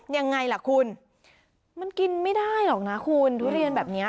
ยังไงล่ะคุณมันกินไม่ได้หรอกนะคุณทุเรียนแบบนี้